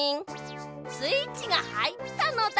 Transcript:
スイッチがはいったのだ。